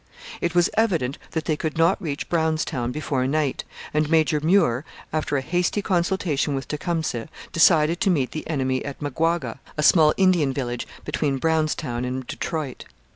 It was evident that they could not reach Brownstown before night, and Major Muir, after a hasty consultation with Tecumseh, decided to meet the enemy at Maguaga, a small Indian village between Brownstown and Detroit.